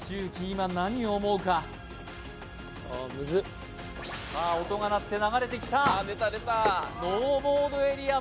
今何を思うかさあ音が鳴って流れてきたノーボードエリア